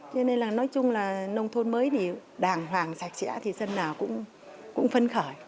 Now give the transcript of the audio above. cho nên là nói chung là nông thôn mới thì đàng hoàng sạch sẽ thì dân nào cũng phân khởi